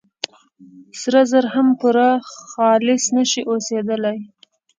سره زر هم پوره خالص نه شي اوسېدلي.